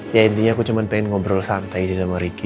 ya intinya aku cuma pengen ngobrol santai aja sama ricky